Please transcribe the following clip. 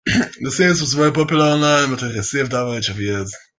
The series was very popular online, but it received average reviews.